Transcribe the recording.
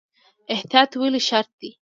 احتیاط ولې شرط دی؟